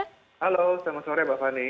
halo selamat sore mbak fani